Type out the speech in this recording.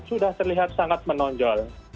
sudah terlihat sangat menonjol